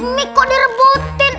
ini kok direbutin